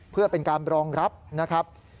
เพื่อเป็นการรองรับนะครับ